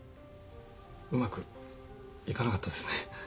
うまくいかなかったですね。